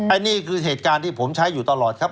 อันนี้คือเหตุการณ์ที่ผมใช้อยู่ตลอดครับ